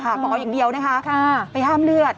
หมออย่างเดียวนะคะไปห้ามเลือด